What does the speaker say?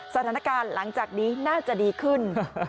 สถานการณ์หลังจากนี้น่าจะดีขึ้น